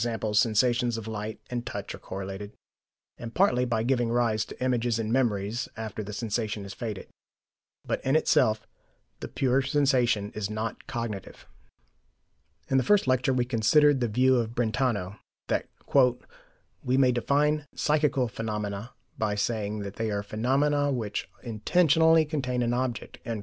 sensations of sight and touch are correlated, and partly by giving rise to images and memories after the sensation is faded. But in itself the pure sensation is not cognitive. In the first lecture we considered the view of Brentano, that "we may define psychical phenomena by saying that they are phenomena which intentionally contain an object."